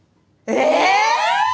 え？